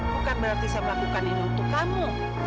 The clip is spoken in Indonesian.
bukan berarti saya melakukan ini untuk kamu